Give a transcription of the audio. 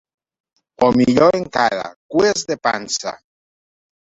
O millor encara, cues de pansa.